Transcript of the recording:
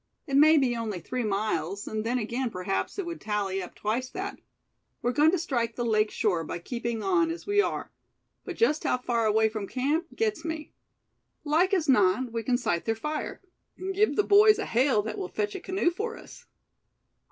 "It may be only three miles, and then again perhaps it would tally up twice that. We're going to strike the lake shore by keeping on as we are; but just how far away from camp, gets me. Like as not we can sight their fire, and give the boys a hail that will fetch a canoe for us."